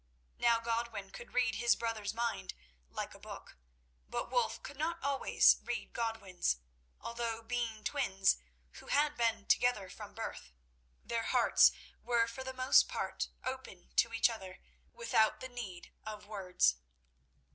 Now Godwin could read his brother's mind like a book, but Wulf could not always read Godwin's, although, being twins who had been together from birth, their hearts were for the most part open to each other without the need of words.